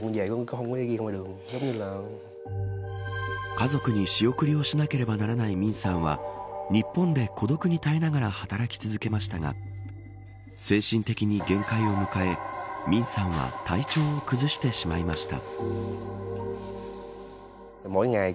家族に仕送りをしなければならないミンさんは日本で孤独に耐えながら働き続けましたが精神的に限界を迎えミンさんは体調を崩してしまいました。